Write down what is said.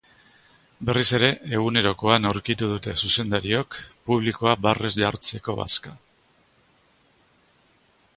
Berriz ere, egunerokoan aurkitu dute zuzendariok publikoa barrez jartzeko bazka.